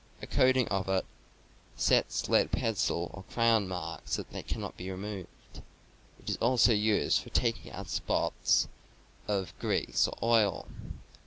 A coating of it sets lead pencil or crayon marks so that they cannot be removed. It is also used for taking out spots of grease or oil.